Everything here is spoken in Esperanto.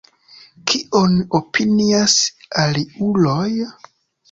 Kion opinias aliuloj?